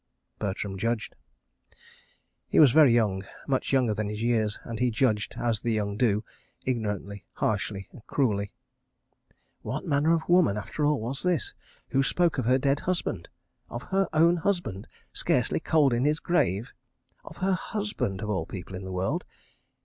..." Bertram judged. He was very young—much younger than his years—and he judged as the young do, ignorantly, harshly, cruelly. ... What manner of woman, after all, was this, who spoke of her dead husband? Of her own husband—scarcely cold in his grave. Of her husband of all people in the world!